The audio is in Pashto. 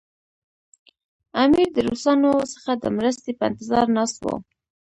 امیر د روسانو څخه د مرستې په انتظار ناست وو.